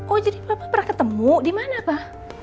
oh jadi papa pernah ketemu di mana pa